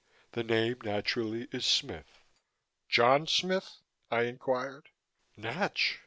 The name, naturally, is Smith." "John Smith?" I inquired. "Natch!